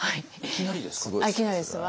いきなりですか？